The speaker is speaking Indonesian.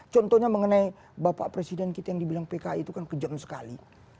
contohnya mengenai bapak presiden kita yang dibilang pki itu kan kejang sekali